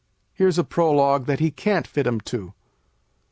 Here's a prologue that he can't fit 'em to.